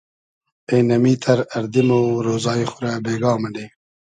اېنئمیتئر اردی مۉ رۉزای خو رۂ بېگا مونی